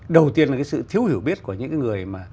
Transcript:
đầu tiên là cái sự thiếu hiểu biết của những cái người mà